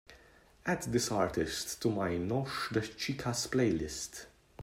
add this artist to my Noche de chicas playlist